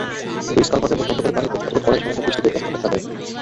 ব্রিজ-কালভার্টের মুখ বন্ধ করে পানির পথরোধ করায় সামান্য বৃষ্টিতেই বন্যা দেখা দেয়।